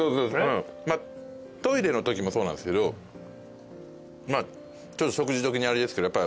トイレのときもそうなんですけど食事時にあれですけどやっぱ。